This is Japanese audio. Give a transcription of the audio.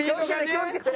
気をつけて！